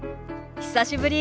久しぶり。